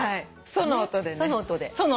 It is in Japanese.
ソの音で。